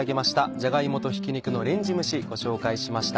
「じゃが芋とひき肉のレンジ蒸し」ご紹介しました。